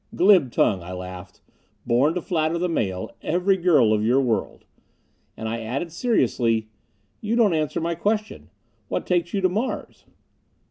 "Glib tongue," I laughed. "Born to flatter the male every girl of your world." And I added seriously, "You don't answer my question? What takes you to Mars?"